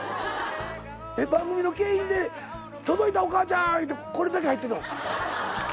番組の景品で「届いたお母ちゃん」言うてこれだけ入ってんの？